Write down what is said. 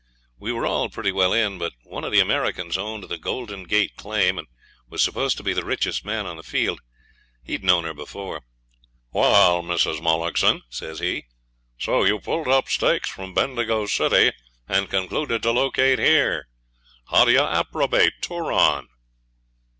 We were all pretty well in, but one of the Americans owned the Golden Gate claim, and was supposed to be the richest man on the field. He'd known her before. 'Waal, Mrs. Mullockson,' says he, 'so you've pulled up stakes from Bendigo City and concluded to locate here. How do you approbate Turon?'